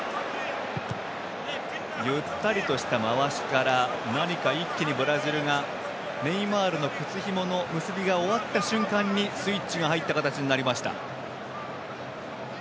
ゆったりとした回しから何か一気にブラジルがネイマールの靴ひもの結びが終わった瞬間にスイッチが入った形になりました。